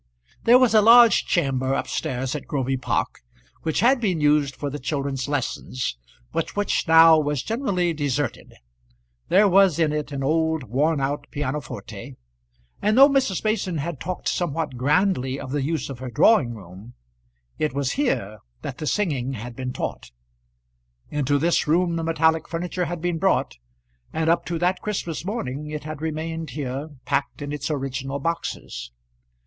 There was a large chamber up stairs at Groby Park which had been used for the children's lessons, but which now was generally deserted. There was in it an old worn out pianoforte, and though Mrs. Mason had talked somewhat grandly of the use of her drawing room, it was here that the singing had been taught. Into this room the metallic furniture had been brought, and up to that Christmas morning it had remained here packed in its original boxes.